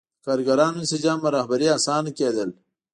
د کارګرانو انسجام او رهبري اسانه کېدل.